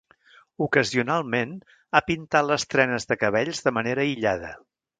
Ocasionalment, ha pintat les trenes de cabells de manera aïllada.